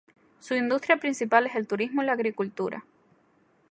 Su industria principal es el turismo y la agricultura.